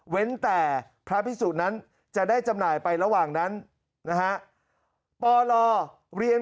แต่พระพิสุนั้นจะได้จำหน่ายไประหว่างนั้นนะฮะปลเรียน